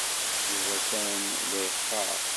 Yuba atan la yeqqar.